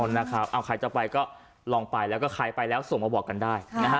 เอ้าใครจะไปก็ลองไปแล้วก็ใครไปแล้วส่งมาบอกกันได้